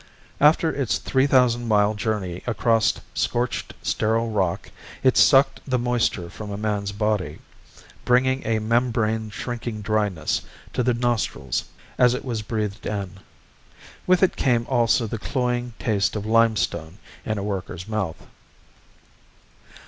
After its three thousand mile journey across scorched sterile rock, it sucked the moisture from a man's body, bringing a membrane shrinking dryness to the nostrils as it was breathed in. With it came also the cloying taste of limestone in a worker's mouth.